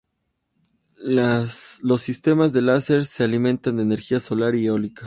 Los sistemas de láser se alimentan de energía solar y eólica.